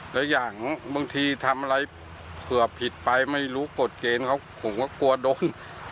และอย่างบางทีทำอะไรเผื่อผิดไปไม่รู้กฎเกณฑ์เขาผมก็กลัวโดน